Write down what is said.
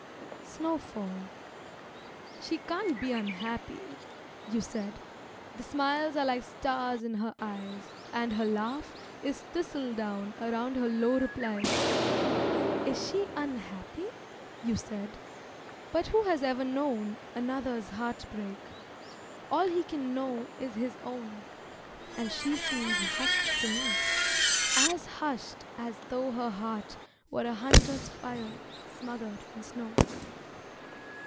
Snowfall "She can't be unhappy," you said, "The smiles are like stars in her eyes, And her laugh is thistledown Around her low replies." "Is she unhappy?" you said But who has ever known Another's heartbreak All he can know is his own; And she seems hushed to me, As hushed as though Her heart were a hunter's fire Smothered in snow.